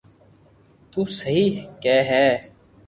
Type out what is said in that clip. تو سھي ڪي ھي